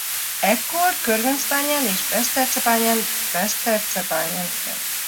Ekkor Körmöcbányán és Besztercebányán végzett középkori ásatásokat.